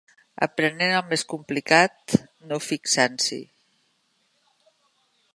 Aprenent el més complicat no fixant-s'hi